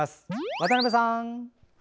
渡辺さん。